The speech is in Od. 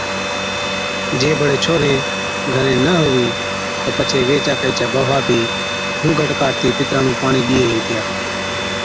جي بڙي ڇوھري (مرد) گھرين نہ ھُوِي تہ پڇي ويھِچ آڪھِي چِيا بھوا بِي گھُونگھٽ ڪاڍتِي پِتران نُون پاڻِي ڏِيئَي ھِتيا